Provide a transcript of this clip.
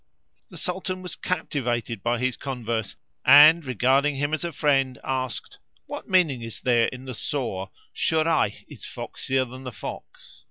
The Sultan was captivated by his converse and, regarding him as a friend, asked, "What meaning is there in the saw 'Shurayh is foxier than the fox'?"